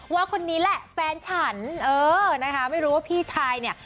ว่าคนนี้แหละแฟนฉันเออนะคะไม่รู้ว่าพี่ชายเนี่ย